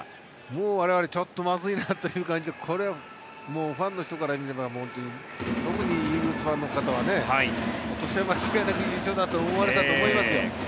もう我々ちょっとまずいなという感じでこれはファンの人から見れば特にイーグルスファンの方は今年は間違いなく優勝だと思われたと思いますよ。